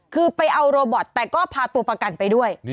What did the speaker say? คือไปเอาโรบอตแต่ก็พาตัวประกันไปด้วย